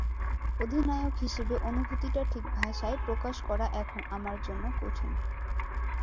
অধিনায়ক হিসেবে অনুভূতিটা ঠিক ভাষায় প্রকাশ করা এখন আমার জন্য কঠিন।